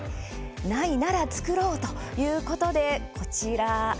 ないなら作ろう！ということでこちら。